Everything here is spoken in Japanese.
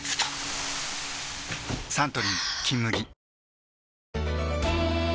サントリー「金麦」